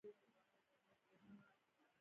• لمر د بدن د انرژۍ ساتلو لپاره اړین دی.